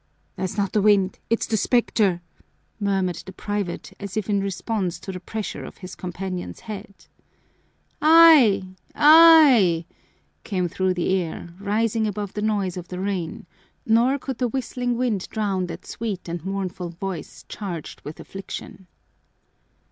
"That's not the wind, it's the specter," murmured the private, as if in response to the pressure of his companion's hand. "Ay! Ay!" came through the air, rising above the noise of the rain, nor could the whistling wind drown that sweet and mournful voice charged with affliction.